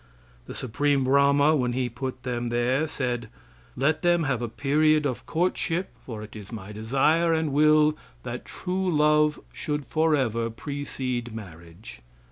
The Supreme Brahma when he put them there said, "Let them have a period of courtship, for it is my desire and will that true love should forever precede marriage."